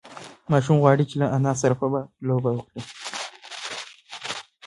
ماشوم غواړي چې له انا سره په باغ کې لوبه وکړي.